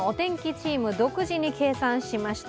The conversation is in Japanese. チーム独自に計算しました。